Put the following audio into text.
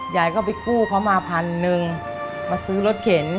ยายก็ไปกู้เขามาพันหนึ่งมาซื้อรถเข็น